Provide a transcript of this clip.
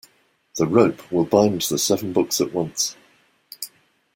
The rope will bind the seven books at once.